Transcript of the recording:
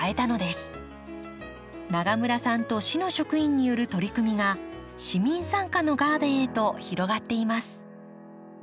永村さんと市の職員による取り組みが市民参加のガーデンへと広がっています。